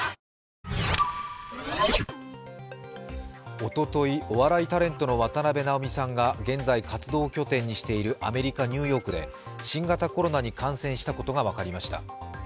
おととい、お笑いタレントの渡辺直美さんが現在、活動拠点にしているアメリカ・ニューヨークで新型コロナに感染したことが分かりました。